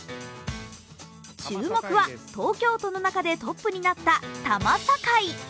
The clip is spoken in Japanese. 注目は、東京都の中でトップになった多摩境。